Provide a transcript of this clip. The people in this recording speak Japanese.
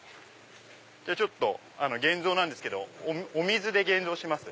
じゃあ現像なんですけどお水で現像します。